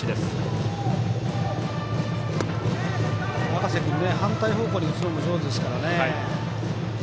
赤瀬君、反対方向に打つのが上手ですから。